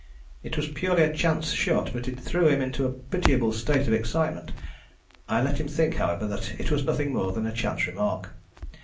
It was purely a chance shot, but it threw him into a pitiable state of excitement. I let him think, however, that it was nothing more than a chance remark.